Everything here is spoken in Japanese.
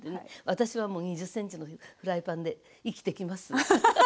私はもう２０ｃｍのフライパンで生きてきます。